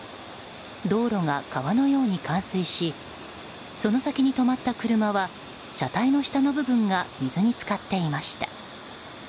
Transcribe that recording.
道路が川のように冠水しその先に止まった車は車体の下の部分が水に浸かっていました。